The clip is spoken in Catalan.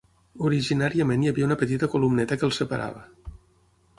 Originàriament hi havia una petita columneta que els separava.